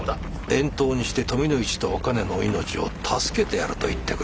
遠島にして富の市とおかねの命を助けてやると言ってくれてるんだ。